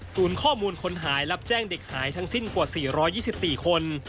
ข้อมูลคนหายรับแจ้งเด็กหายทั้งสิ้นกว่า๔๒๔คน